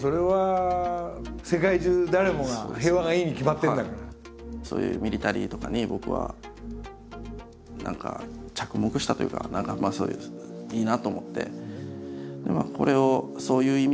たぶんそれはそういうミリタリーとかに僕は何か着目したというか何かいいなと思って。